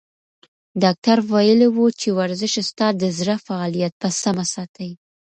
ډاکتر ویلي وو چې ورزش ستا د زړه فعالیت په سمه ساتي.